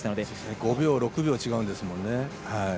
５秒、６秒違うんですね。